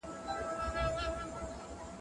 له زوره یې ستا مخ ته د نظر لارې تړلي